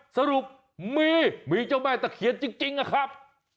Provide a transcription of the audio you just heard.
สรุปมีมีเจ้าแม่ตะเคียนจริงนะครับ